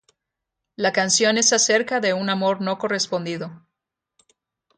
La canción es acerca de un amor no correspondido.